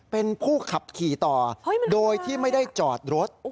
เป็นผู้ขับขี่ต่อโดยที่ไม่ได้จอดรถ